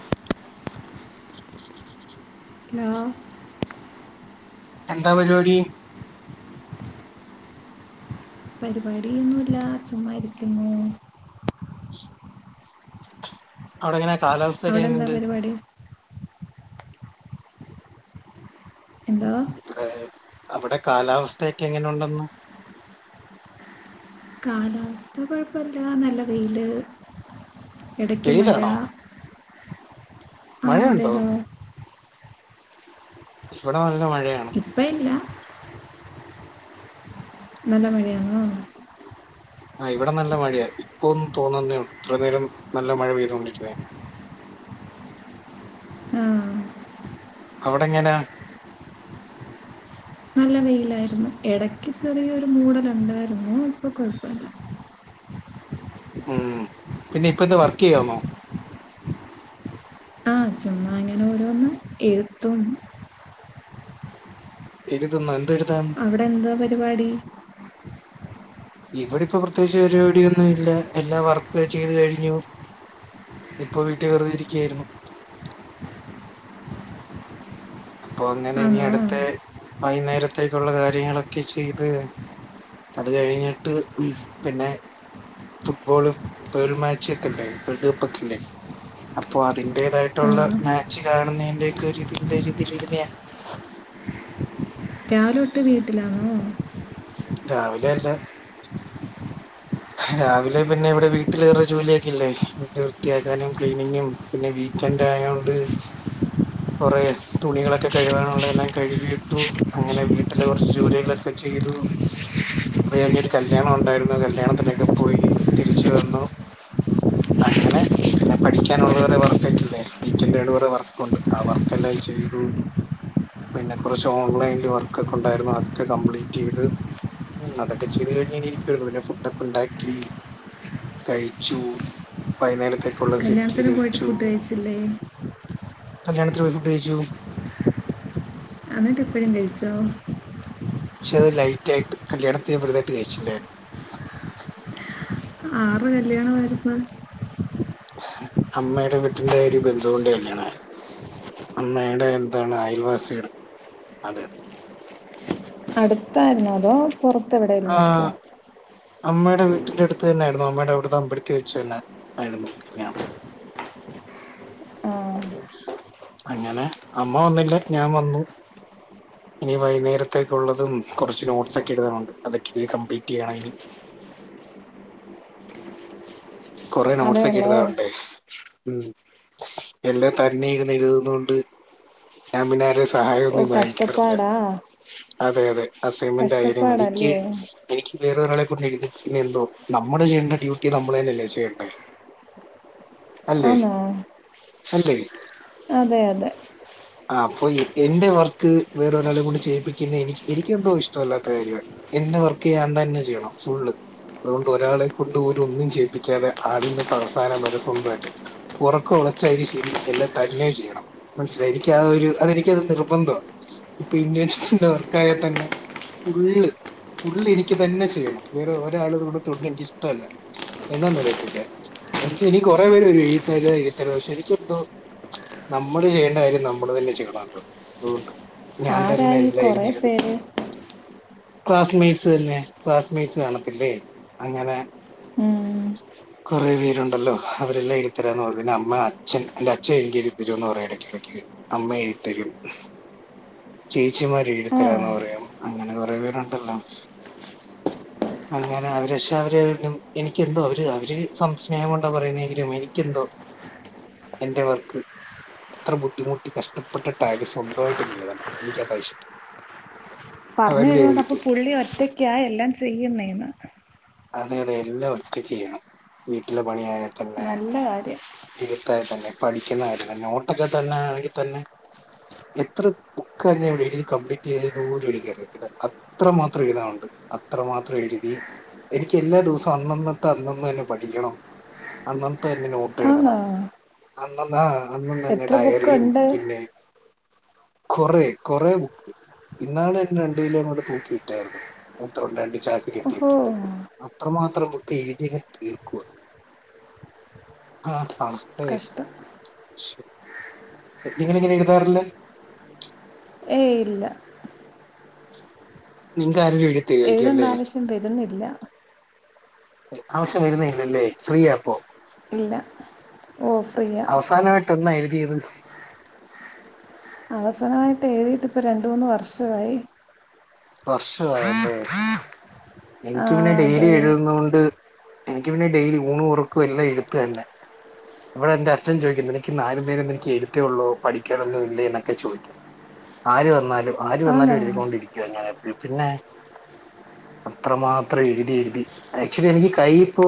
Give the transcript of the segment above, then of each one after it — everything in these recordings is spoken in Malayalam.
ഹലോ ഹലോ എന്താ പരിപാടി? പരിപാടിയൊന്നൂല്ല ചുമ്മായിരിക്കുന്നു. അവിടെങ്ങനെ കാലവസ് അവിടെന്താ പരിപാടി? എന്താ? ഇബടെ, അവിടെ കാലാവസ്ഥയൊക്കെ എങ്ങനെണ്ടെന്നു? കാലാവസ്ഥ കൊഴപ്പല്ല നല്ല വെയില് ഇടക്ക് മഴ വെയിലാണോ ആഹ് മഴയുണ്ടോ അതെലോ. ഇവടെ നല്ല മഴയാ. ഇപ്പ ഇല്ല നല്ല മഴയാന്നോ? ആ ഇവിടെ നല്ല മഴയാ ഇപ്പോ ഒന്നു തോർന്നന്നേ ഒള്ളു ഇത്ര നേരം നല്ല മഴ പെയ്തോണ്ടിര്ന്നേ. ആ അവിടെ എങ്ങനെയാ? നല്ല വെയിലായിരുന്നു ഇടക്ക് ചെറിയൊരു മൂടല്ണ്ടായിരുന്നു ഇപ്പോ കൊഴപ്പല്ല. ഉം, പിന്നെ ഇപ്പ എന്താ വർക്ക്യ്യാന്നോ? ആഹ് ചുമ്മാ ഇങ്ങനെ ഓരോന്ന് എഴുത്തും എഴുതുന്നോ എന്ത് എഴു അവിടെ എന്തോ പരിപാടി? ഇവിടെ ഇപ്പോ പ്രത്യേകിച്ച് പരിപാടിയൊന്നു ഇല്ല എല്ലാ വർക്കു ഞാൻ ചെയ്ത് കഴിഞ്ഞു. ഇപ്പോവീട്ടിൽ വെറുതെ ഇരിക്കുവായിരുന്നു. അപ്പൊ അങ്ങനെ ഇനി ആണോ അടുത്ത വൈകുന്നേരത്തേക്കുള്ള കാര്യങ്ങളൊക്കെ ചെയ്ത് അത് കഴിഞ്ഞിട്ട് പിന്നെ, ഫുട്ബോള് വേൾഡ് മാച്ച് ഒക്കെല്ലേ വേൾഡ് കപ്പ് ഒക്കെല്ലേ അപ്പൊ ആ അതിന്റേതായിട്ടുള്ള മാച്ച് കാണുന്നേന്റെക്കെ ഒരു ഇതിന്റെ ഇതില് ഇരുന്നേയാ. രാവിലൊട്ട് വീട്ടിലാണോ? രാവിലെ അല്ല രാവിലെ പിന്നെ ഇവിടെ വീട്ടില് വേറെ ജോലിയൊക്കെ ഇള്ളേ അല്ലേ വീട്ട് വൃത്തിയാക്കാനും ക്ലീനിങ്ങും പിന്നെ വീക്കെൻഡായോണ്ട് കൊറേ തുണികളൊക്കെ കഴുവാനുള്ളതെല്ലാം കഴുകിയിട്ടു അങ്ങനെ വീട്ടിലെ കുറച്ച് ജോലികളൊക്കെ ചെയ്തു അത് കഴിഞ്ഞൊരു കല്യാണം ഉണ്ടായിരുന്നു കല്യാണത്തിനൊക്കെ പോയി തിരിച്ചു വന്നു അങ്ങനെ പിന്നെ പഠിക്കാനുള്ള വർക്കൊക്കെല്ലേ വീക്കെന്റായതോണ്ട് കുറെ വർക്കുണ്ട് ആ വർക്കെല്ലാം ചെയ്തു പിന്നെ കുറച്ച് ഓൺലൈനിൽ വർക്ക് ഒക്കെ ഉണ്ടായിരുന്നു അതൊക്കെ കംപ്ലീറ്റ് ചെയ്ത് ഉം അതൊക്കെ ചെയ്ത് കഴിഞ്ഞി ഇരിക്കാരുന്നു പിന്നെ ഫുഡ് ഒക്കെ ഉണ്ടാക്കി കഴിച്ചു വൈകുന്നേരത്തെ കല്യാണത്തിന് പോയിട്ട് ഫുഡ് കഴിച്ചില്ലേ കല്യാത്തില് പോയി ഫുഡ് കഴിച്ചു എന്നിട്ട് ഇപ്പഴും കയിച്ചോ പക്ഷെ അത് ലൈറ്റായിട്ട് കല്യാത്തിന് പുതുതായിട്ട് കഴിച്ചില്ലേ ആരുടെ കല്യാണം ആയിരുന്നു അമ്മയുടെ വീട്ടിന്റെ ഒരു ബന്ധുവിന്റെ കല്ല്യാണമായിരുന്നു അമ്മയുടെ എന്താണ് അയൽവാസിയുടെ അതെ അതെ അടുത്തായിരുന്നോ അതോ പുറത്ത് എവിടേലും ആ വെച്ചോ അമ്മയുടെ വീട്ടിന്റെ അടുത്ത് തന്നെയായിരുന്നു അമ്മയുടെ അവിടെത്തെ അമ്പലത്തി വെച്ചു തന്നെ ആയിരുന്നു കല്ല്യാണം ആ അങ്ങനെ അമ്മ വന്നില്ല ഞാൻ വന്നു ഇനി വൈകുന്നേരത്തേക്കുള്ളതും കുറച്ച് നോട്ട്സ് ഒക്കെ എഴുതാനുണ്ട് അതൊക്കെ എഴുതി കംപ്ലീറ്റ് ചെയ്യണം ഇനി കൊറേ അതേ നോട്ട്സ് ഒക്കെ ഉള്ളോ എഴുതാനുണ്ടേ ഉം എല്ലാം തന്നെ ഇരുന്ന് എഴുതുന്നത് കൊണ്ട് ഞാൻ പിന്നെ രക്ഷ ഓ സഹായൊന്നും വാങ്ങിക്കാറില്ല കഷ്ടപ്പാടാ അതെ അതെ അസൈൻമെന്റ് ആയാലും എനിക്ക് കഷ്ടപ്പാടല്ലേ എനിക്ക് വേറൊരാളെ കൊണ്ട് എഴുതിപ്പിക്കുന്നത് എന്തോ നമ്മുടെ ചെയ്യേണ്ട ഡ്യൂട്ടി നമ്മൾ തന്നെയല്ലേ ചെയ്യണ്ടേ അല്ലേ ആണോ അല്ലേ അതെ അതെ ആ അപ്പോ എന്റെ വർക്ക് വേറൊരാളെ കൊണ്ട് ചെയ്യിപ്പിക്കുന്ന എനിക്ക് എനിക്കെന്തോ ഇഷ്ടമല്ലാത്ത കാര്യമാണ് എന്റെ വർക്ക് ഞാൻ തന്നെ ചെയ്യണം ഫുള്ള് അതുകൊണ്ട് ഒരാളെ കൊണ്ട് പോലും ഒന്നും ചെയ്യിപ്പിക്കാതെ ആദ്യം തൊട്ട് അവസാനം വരെ സ്വന്തമായിട്ട് ഉറക്കം ഉളച്ചാലും ശരി എല്ലാം തനിയെ ചെയ്യണം മനസ്സിലായില്ലേ എനിക്കാ ഒരു അതെനിക്കൊരു നിർബന്ധമാണ് പിന്നെ എന്തോ വർക്കായാൽ തന്നെ ഫുള്ള് ഫുള്ള് എനിക്ക് തന്നെ ചെയ്യണം വേറെ ഒരാള് കൂടെ തൊട്ടുന്നത് എനിക്ക് ഇഷ്ടമല്ല എന്താന്ന് അറിയത്തില്ല എനിക്ക് ഇനി കൊറേ പേര് വരും എഴുതിത്തരാ എഴുതിത്തരാ പക്ഷെ എനിക്കെന്തോ നമ്മള് ചെയ്യേണ്ട കാര്യം നമ്മള് തന്നെ ചെയ്യണല്ലോ അതുകൊണ്ട് ഞാൻ തന്നെ ആരായി എല്ലാം കുറെ ഇരുന്ന് എഴുതും പേര് ക്ലാസ്മേറ്റ്സ് തന്നെ ക്ലാസ്മേറ്റ്സ് കാണത്തില്ലേ അങ്ങനെ ഉം കുറേ പേരുണ്ടല്ലോ അവരെല്ലാം എഴുതിത്തരാന്ന് പറഞ്ഞു പിന്നെ അമ്മ അച്ഛൻ എന്റെ അച്ഛൻ എനിക്ക് എഴുതിത്തരുമെന്ന് പറയും ഇടക്കിടക്ക് അമ്മ എഴുതിത്തരും ചേച്ചിമാര്‌ ആ എഴുതിത്തരാന്ന് പറയും അങ്ങനെ കുറെ പേരുണ്ടല്ലോ അങ്ങനെ അവര് പക്ഷെ അവര് എനിക്കെന്തോ അവര് സം സ്നേഹം കൊണ്ടാ പറയുന്നതെങ്കിലും എനിക്കെന്തോ എന്റെ വർക്ക് എത്ര ബുദ്ധിമുട്ട് കഷ്ടപ്പെട്ടിട്ടായാലും സ്വന്തമായിട്ട് എഴുതണം എനിക്കത ഇഷ്ടം പറഞ്ഞു അതല്ലേ വരുന്നത് അപ്പൊ ഒരിത് പുള്ളി ഒറ്റക്കായ എല്ലാം ചെയ്യുന്നന്ന് അതെ അതെ എല്ലാം ഒറ്റക്ക് ചെയ്യണം വീട്ടിലെ പണിയായ തന്നെ നല്ല കാര്യം പഠിക്കുന്നായി തന്നെ നോട്ടൊക്കെ തന്നെ ആണെങ്കിൽ തന്നെ എത്ര ബുക്ക്ന്നെയ എഴുതി കംപ്ലീറ്റ് ചെയ്ത നൂ എനിക്കന്നെ അറിയത്തില്ല അത്രമാത്രം എഴുതാറുണ്ട് അത്രമാത്രം എഴുതി ദിവസവും അന്നന്നത്തെ അന്നന്ന് തന്നെ പഠിക്കണം അന്നത്തെ തന്നെ നോട്ട് ട്ട് ആണോ എഴുതണം അന്നന്ന ആഹ് അന്നും തന്നെ എത്ര ബുക്ക് ഡയറിയും ഉണ്ട് പിന്നെ കൊറ കൊറേ ബുക്ക് ഇന്നാൾ എന്ന രണ്ടു കിലോങ്ങണ്ട് തൂക്കിട്ടായിരുന്നു മൂത്രം രണ്ട് ചാക്ക് ഓഹോ കെട്ടിയിട്ടിട്ട് അത്രമാത്രം ബുക്ക്‌ എഴുതിങ് തീർക്കുക ആ കഷ്ടം നിങൾ ഇങ്ങനെ എഴുതാറില്ലേ? ഏഹ് ഇല്ല നിങ്ക ആരെങ്കിലും എഴു എഴുതേണ്ടാവശ്യം വരുന്നില്ല. ആവശ്യം വരുന്നല്ലല്ലേ ഫ്രീ ആപ്പോ ഇല്ല ഓ ഫ്രീയ. ട്ടന്ന എഴുതിയത്? അവസാനമായിട്ട് എഴുതിയിട്ട് ഇപ്പ രണ്ട മൂന്ന് വർഷമായി. വർഷമായല്ലേ? ആ എനിക്ക് പിന്നെ ഡെയിലി അതെ എഴുതുന്നത് കൊണ്ട് എനിക്ക് പിന്നെ ഡെയിലി ഊണറക്കും എല്ലാം എഴുത്തന്നെ. അപ്പന്റെ അച്ഛൻ ചോയ്ക്കുന്നു നിക്ക് നാലു നേരം നിനക്ക് എഴുത്തയള്ളൂ പഠിക്കാനൊന്ന ഇല്ലേന്നക്കെ ചോദിക്കും. ആര് വന്നാലും ആര് വന്നാലും ആന്ന് എഴുതികൊണ്ടിരിക്കുവ പിന്നെ അത്രമാത്രം എഴുതി എഴുതി ആക്ച്വലി എനിക്ക് കൈയിപ്പോ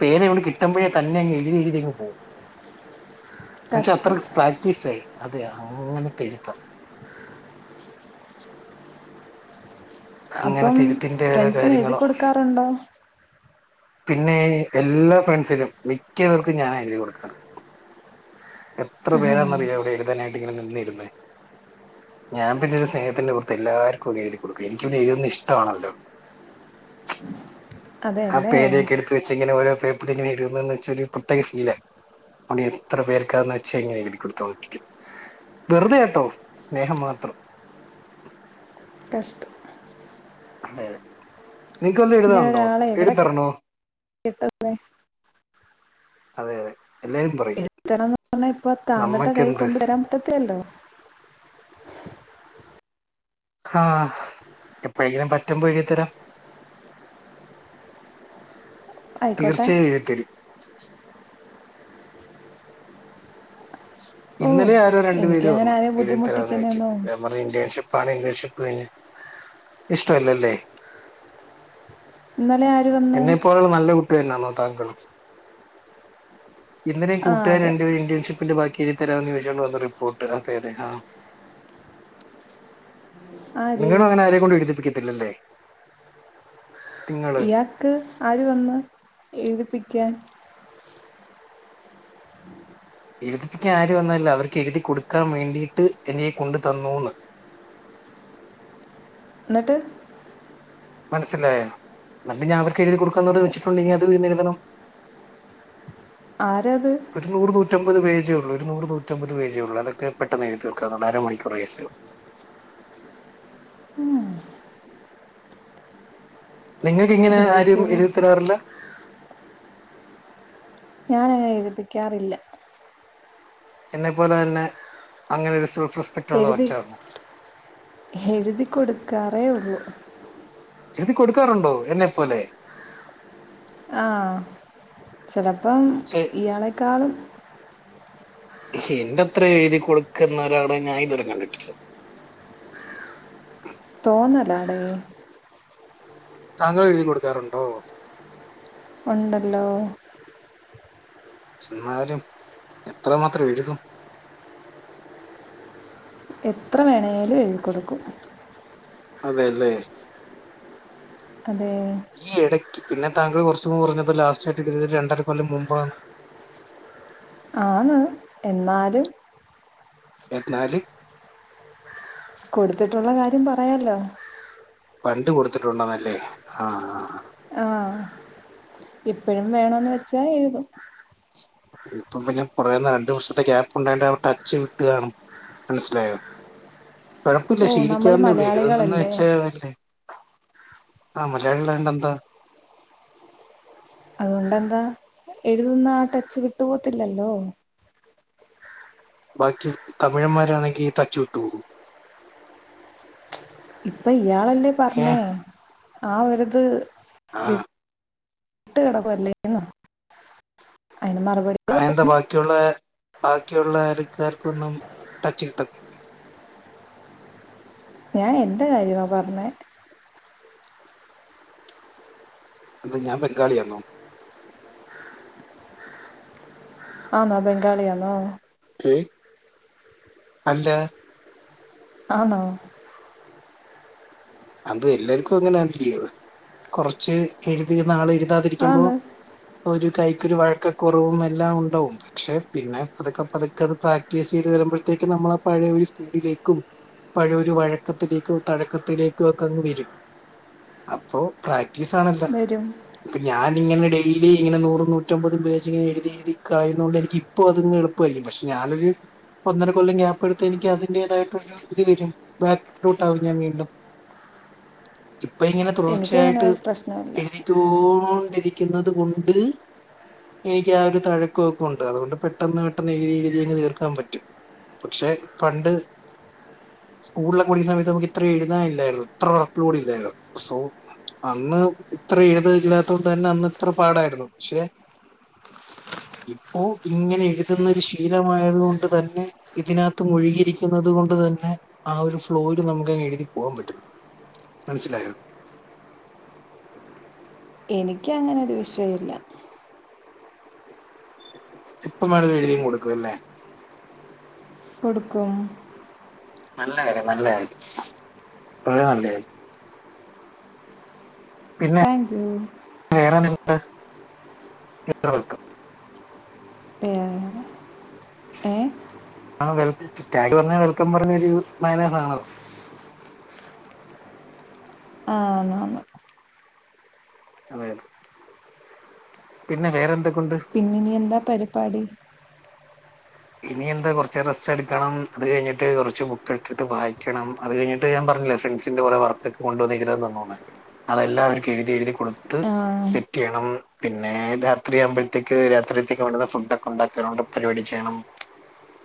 പേനവിടെ കിട്ടുമ്പോഴേ കണ്ണങ് എഴതിഴുതിയങ് പോവും. ന്നാചാ കഷ്ടം അത്രക് പ്രാക്റ്റീസയി അതെ അങ്ങനെത്തെ എഴുത്താ. അപ്പം അങ്ങനത്തെ എഴുത്തിന്റെ ഓരോ ഫ്രണ്ട്സിന് എഴുതി കാര്യങ്ങളോ കൊടുക്കാറുണ്ടോ? പിന്നെ എല്ലാ ഫ്രണ്ട്സിലും മിക്ക പേർക്കും ഞാൻ എഴുതി കൊടുക്കാറ്. എത്ര ഉം, പേരാന്നറിയാം ഇവിടെ എഴുതാനായിട്ട് ഇങ്ങനെ നിന്നിരുന്നേ. ഞാൻ പിന്നെ ഒരു സ്നേഹത്തിന്റെ പുറിത്ത് എല്ലാവർക്കും എഴുതി കൊടുക്ക എനിക്ക പിന്നെ എയുതുന്ന ഇഷ്ടണല്ലോ. ആ അതെയല്ലേ പേനക്ക എടുത്ത് വെച്ച് ഇങ്ങനെ ഓരോ പേപ്പർ ഇങ്ങനെ ഇടുന്നന്ന് വെച്ച ഒരു പ്രത്യേക ഫീലാ എത്ര പേർക്കാന്ന് വെച്ചാ ഇങ്ങന എഴുതി കൊടുത്തണ്ടിരിക്കും. വെറുതെട്ടോ സ്നേഹം മാത്രം. കഷ് അതെ അതെ നിനക്ക് വല്ല ഇങ്ങനെ എഴുതാണണ്ടോ ഒരാളെ എവിടെ എയുത്തരണോ? [unintelligible] അതെതെ എല്ലാരും പറയും. ത്ണംന്ന് പറഞ്ഞാ ഇപ്പൊ താങ്കളുടെ കൈ നമ്മക്കെന്ത് കൊണ്ടുവരാ പറ്റത്തില്ലോ. ഹ എപ്പോഴെങ്കിലും പറ്റമ്പോ എഴത്തരാം. ആയിക്കോട്ടെ തീർച്ചയായും എഴുത്തരും. ഓ ഇന്നലെ ആരോ രണ്ടു പേര് എനിക്കങ്ങനെ വന്ന് ആരെയും എയ്തരോയ്ച്ച ബുദ്ധിമുട്ടിക്കുന്നൊന്നും ഞാന് പറ ഇന്റേഷി പണി ഇന്റേൺഷിപഞ ഇഷ്ടല്ലല്ലേ ഇന്നലെ ആര് വന്ന് എന്നെപ്പോലുള്ള നല്ല കുട്ടി തന്നെന്നോ താങ്കൾ? ഇന്നലെ ആ കൂട്ടുകാർ അതെ രണ്ടു ഇന്റെൺഷിപ്പിന്റെ ബാക്കി എഴു തരാമ എന്ന് ചോദിച്ചുകണ്ട് വന്ന റിപ്പോർട്ട് അതെ അതെ ആര് നിങ്ങളും അങ്ങനെ ആരെയ കൊണ്ട് എഴുതിപ്പിക്കത്തില്ലല്ലേ? നിങ്ങള് ഇയാക്ക് ആര് വന്ന് എഴുതിപ്പിക്കാൻ? എഴുതിപ്പിക്കാൻ ആരും വന്നാല അവർക്ക് എഴുതി കൊടുക്കാൻ വേണ്ടിയിട്ട് എന്നെ കൊണ്ടു തന്നുന്ന്. ഇന്ന്ട്ട് മനസ്സിലായോ ഇന്ന്ട്ട്പിന്നെ അവർക്ക് എഴ്തി കൊടുക്കാന്ന് പറഞ്ഞ് അത് വെച്ചിട്ടുണ്ടെങ്കി അതും ഇര്ന്ന് എഴ്തണം ആരാ അത് ഒരു നൂറ് നൂറ്റമ്പത് പേജേ ഒള്ളൂ ഒരു നൂര് നൂറ്റമ്പത് പേജേ ഒള്ളു അതെക്കെ പെട്ടെന്ന് എഴ്തി തീർക്കാവുന്നൊള്ളു അരമണിക്കൂർ കേസെഒള്ളു തന്നെ നിങ്ങക്ക് ഇങ്ങനെ ആരും എഴുതിക്കുവോ എഴ്തി തെരാറില്ല ഞാനങ്ങനെ എഴ്തിപ്പിക്കാറില്ല എന്നെ പോലെ തന്നെ അങ്ങനെ ഒരു സൂപ്റസ് എഴ്തി എഴ്തി കൊട്ക്കാറേ ഒള്ളൂ എഴ്തി കൊട്ക്കാറുണ്ടോ എന്നെപ്പോലെ ആഹ് ചെലപ്പം ശെരി ഇയാളെക്കാളും എന്റെ അത്ര എഴ്തി കൊട്ക്ക്ന്ന ഒരാളെ ഞാനിത് വരെ കണ്ടിട്ടില്ല തോന്നലാടേ താങ്കൾ എഴ്തി കൊട്ക്കാറുണ്ടോ ഒണ്ടല്ലോ എന്നാലും എത്രമാത്രം എഴ്തും എത്ര വേണേലും എഴ്തി കൊടുക്കും അതെല്ലേ അതെ ഈ എടയ്ക്ക് പിന്നെ താങ്കൾ കൊറച്ച് കൊറഞ്ഞതാ ലാസ്റ്റ് ഇട്ടിട്ടിത് രണ്ടര കൊല്ലം മുമ്പാന്ന് ആന്ന് എന്നാലും എന്നാല് കൊട്ത്തിട്ട്ഇള്ള കാര്യം പറയാലോ പണ്ട് കൊട്ത്തിട്ടുണ്ടന്നല്ലേ ആഹ് ആഹ് ആഹ് ഇപ്പഴും വേണംന്ന് വെച്ചാ എഴ്തും ഇപ്പൊ പിന്നെ കൊറേന്ന രണ്ടു വർഷത്തെ ഗ്യാപ്പ് ഉണ്ടായോണ്ടാവും ടച്ച് വിട്ട്കാണും മനസ്സിലായോ കാെഴപ്പം ഇല്ല ഓ നമ്മൾ ശീലിക്കാവുന്നേയൊള്ളു എഴ്ത് ന്നെന്ന് മലയാളികളല്ലേ വെച്ചാ അല്ലേ ആഹ് മലയാളികള് ആയോണ്ടെന്താ അതുകൊണ്ടെന്താ എഴ്ത് ന്നാ ആ ടെച്ച് വിട്ടുപോവത്തില്ലല്ലോ ബാക്കി തമിഴന്മാരാണെങ്കി ടച്ചുവിട്ടുപോവോ ഇപ്പൊ ഇയാള് അല്ലേ ഏ പർണ് ആ ഒര് ഇത് ആ വി ട്ട് കെടക്കു അല്ലേന്ന് അയിന് മറുപടി അയെന്താ ബാക്കിയുള്ളേ കബാക്കിയുള്ളെ ആൾക്കാർക്കൊന്നും ടച്ച്കിട്ടത്തില്ലേ ഞാൻ എന്റെ കാര്യമാ പർണ് അതെന്താ ഞാൻ ബംഗാളിയാർന്നോ ആന്നോ ബംഗാളിയാന്നോ ക്കെ അല്ല ആന്നോ അത് എല്ലാര്ക്കും അങ്ങനേണ് ലീവ് കൊറച്ച് എഴുതി നാള് എഴ്താതിരിക്കുമ്പൊ ആന്ന് ഒരു കൈക്കൊരു വഴക്കക്കുറവും എല്ലാം ഉണ്ടാവും പക്ഷെ പിന്നെ പത്ക്കെ പത്ക്കെ അത് പ്രാക്ടീസീത് വെരുമ്പഴ്ത്തേക്കും നമ്മളാ പഴയ ഒരു സ്പീഡിലേക്കും പഴയൊരു വഴക്കത്തിലേക്കും തഴക്കത്തിലേ കാേക്കങ്ങ് വെരും അപ്പാെ പ്രാക്ടീസാണെല്ലാ വരും ഇപ്പം ഞാനിങ്ങെനെ ഡെയ്ലി ഇങ്ങെനെ നൂറും നൂറ്റമ്പതും പേജിങ്ങെനെ എഴ്തി എഴ്തിക്കായ്ന്നോണ്ടെനിക്ക്യ് പ്പോ അതങ്ങ് എളുപ്പായില്ലെ പക്ഷെ ഞാനൊര് ഒന്നര കൊല്ലം ഗ്യാപ്പെട്ത്ത എനിക്ക്യ് അതിന്റേതായ്ട്ടൊരു ഇതിരിക്ക്യും ബാക്ക്റൂട്ടാവും ഞാൻ വീണ്ടും. ഇപ്പൊ ഇങ്ങെനെ എനിക്കങ്ങനെ തുടർച്ചയായ്ട്ട് ഒരു പ്രശ്നമില്ല എഴ്തിക്കോണ്ടിരിക്ക്യ്ന്നെത് കൊണ്ട് എനിക്ക്യാ ഒരു തഴക്കാെക്കാെ ഉണ്ട് അതുകൊണ്ട് പെട്ടെന്ന് പെട്ടെന്ന് എഴ്തി എഴ്തിയങ്ങ് തീർക്കാം പറ്റും. പക്ഷെ പണ്ട് സ്കൂൾല് പോയിര്ന്ന സമയത്ത് നമുക്കിത്രെ എഴ്താ ഇൽ ല്ലായ്ര്ന്നു ഇത്ര വർക്ക് കൂടി ഇല്ലായ്ര്ന്നു സോ അന്ന് ഇത്ര എഴ്താൻ ഇല്ലാത്തോണ്ട് തന്നെ അന്ന് ഇത്ര പാടായ്ര്ന്നു പക്ഷെ ഇപ്പോ ഇങ്ങെനെ എഴ്ത്‌ന്നൊര് ശീലമായത് കൊണ്ട് തന്നെ ഇതിനകത്ത് മുഴുകിയിരിക്ക്യുന്നത് കൊണ്ട് തന്നെ ആ ഒരു ഫ്ലോയില് നമുക്കങ്ങ് എഴ്തി പോവാം പറ്റും മൻസ്സിലായോ എനിക്ക്യങ്ങനെരു വിഷയൂല്ലാ ഇപ്പം വേണേലും എഴ്തിയങ്ങ് കൊട്ക്കും അല്ലേ കൊട്ക്കും നല്ല കാര്യം നല്ല കാര്യം വളരേ നല്ല കാര്യം പിന്നെ താങ്ക്യൂ വേറെ [unintelligible] ണ്ട് എത്ര [unintelligible] ക്കും വേറെ ഏഹ് ആഹ് വെൽക്കം താങ്ക്യൂ പർഞ്ഞാ വെൽക്കം പർഞ്ഞ [unintelligible] മാനേസാണല്ലൊ ആഹ് ആന്നാന്ന് അതെ അതെ പിന്നെ വേറെ എന്തൊക്കൊണ്ട് പിന്നെ ഇനി എന്താ പര്പാടി ഇനി എന്താ കൊർച്ച് നേരം റെസ്റ്റെട്ക്കെണം. അത് കഴിഞ്ഞിട്ട് കൊറച്ച് ബുക്കെക്കെട്ത്ത് വായിക്ക്യെണം. അത് കഴിഞ്ഞിട്ട് ഞാം പർഞ്ഞില്ലെ ഫ്രണ്ട്സിന്റെ കൊറേ വർക്കെ കൊണ്ട് വന്നീക്ക്യ്ണെത് തന്നൂന്ന് അതെല്ലാം അവര്ക്ക് എഴ്തി എഴ്തി കൊട്ത്ത് ആ, സെറ്റ്‌യ്യെണം പിന്നെ രാത്രിയാവ്മ്പഴ്ത്തേക്ക്യ് രാത്രികത്തേക്ക് വേണ്ടുന്ന ഫുഡ്ഡാെക്കെ ഉണ്ടാക്കാണം ടെ പരിപാടി ചെയ്യെണം.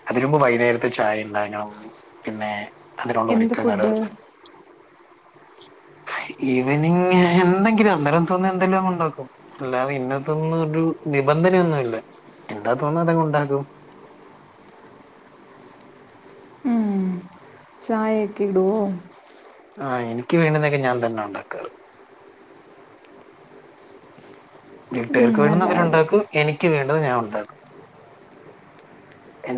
അതിനു മുമ്പ് വൈക്ന്നേരത്തെ ചായ ഇണ്ടാക്കെണം പിന്നെ അതിനുള്ള എന്ത് ഒര്ക്കങ്ങെള് ഫുഡ് ഈവെനിംഗ് ഞാ എന്തെങ്കിലും അന്നേരം തോന്നുന്ന എന്തെങ്കിലു അങ്ങ് ഉണ്ടാക്കും അല്ലാതെ ഇന്നതെന്നാെരു നിബന്ധനയൊന്നും ഇല്ല എന്താ താേന്ന്ന്ന് അതങ്ങ് ഉണ്ടാക്കും ചായെയെക്കെ ഇട്‌വോ ആഹ് എനിക്ക്യ് വേണ്ടുന്നൊക്കെ ഞാൻ തന്നെ ഉണ്ടാക്കാറ്. ഉം, വീട്ട്കാര്ക്ക് നല്ല വേണുന്ന കാര്യം അവെരുണ്ടാക്കും എനിക്ക്യ് വേണ്ടെത് ഞാൻ ഉണ്ടാക്കും. എനിക്ക്